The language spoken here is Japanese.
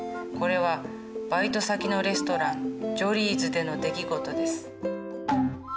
これはバイト先のレストラン「ジョリーズ」での出来事です。